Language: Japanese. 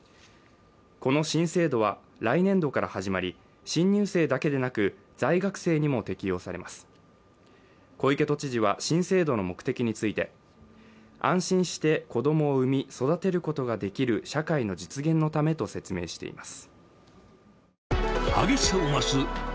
この新制度は来年度から始まり新入生だけでなく在学生にも適用されます小池都知事は新制度の目的について安心して子どもを産み育てることができる社会の実現のためと説明しています